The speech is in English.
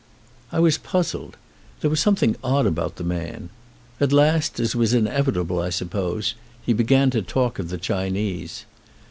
I was puzzled. There was something odd about the man. At last, as was inevitable, I suppose, he began to talk of the Chinese.